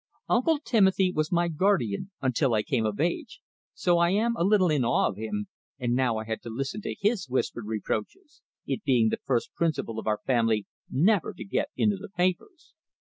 Uncle Timothy was my guardian until I came of age, so I am a little in awe of him, and now I had to listen to his whispered reproaches it being the first principle of our family never to "get into the papers."